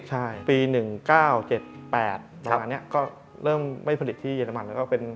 ใช่ปี๑๙๗๘ประมาณนี้ก็เริ่มไม่ผลิตที่เยอรมันแล้วก็เป็น